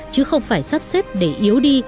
chứ không phải sắp xếp để yếu đi